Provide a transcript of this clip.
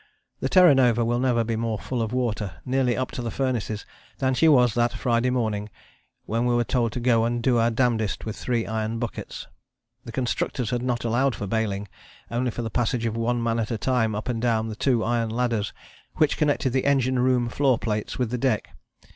The Terra Nova will never be more full of water, nearly up to the furnaces, than she was that Friday morning, when we were told to go and do our damndest with three iron buckets. The constructors had not allowed for baling, only for the passage of one man at a time up and down the two iron ladders which connected the engine room floor plates with the deck.